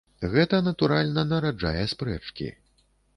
Гэта, натуральна, нараджае спрэчкі.